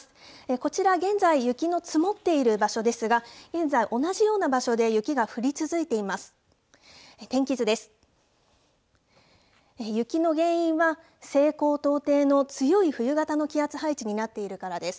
こちら、現在、雪の積もっている場所ですが、現在、同じような場所で雪が降り続いています。